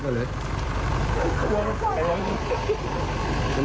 ไหลได้ไหม